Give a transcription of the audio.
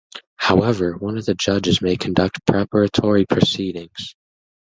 However, one of the judges may conduct preparatory proceedings.